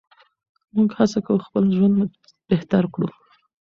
موږ هڅه کوو خپل ژوند بهتر کړو.